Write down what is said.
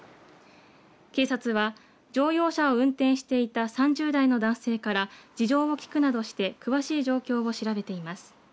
警察は乗用車を運転していた３０代の男性から事情を聴くなどして詳しい状況を調べています。